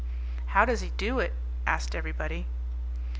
"How does he do it?" asked everybody.